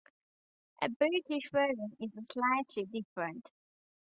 A British version is slightly different.